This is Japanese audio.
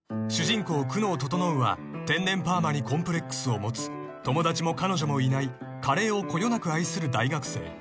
［主人公久能整は天然パーマにコンプレックスを持つ友達も彼女もいないカレーをこよなく愛する大学生］